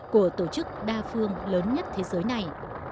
của tổ chức đa phương lớn nhất thế giới này